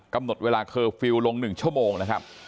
กำหนดเวลาเคอร์ฟิลล์ลง๑ชั่วโมงนะครับ